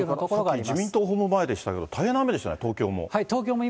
さっき、自民党本部前からでしたけど、大変な雨でしたね、東京も。